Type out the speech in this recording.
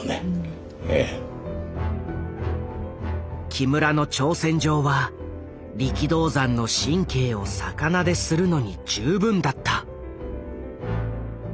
木村の挑戦状は力道山の神経を逆なでするのに十分だった。